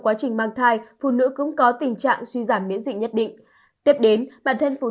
quá trình mang thai phụ nữ cũng có tình trạng suy giảm miễn dịch nhất định tiếp đến bản thân phụ